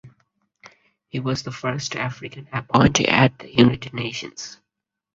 He was the first African appointee at the United Nations.